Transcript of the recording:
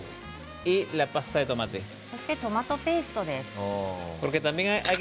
そして、トマトペーストです。